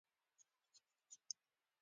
د مارکیټ سټرکچر شفټ باندی او آس آم ټی باندی.